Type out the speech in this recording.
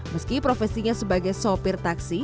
meski profesinya sebagai sopir taksi